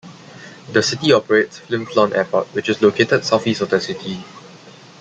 The city operates Flin Flon Airport, which is located southeast of the city.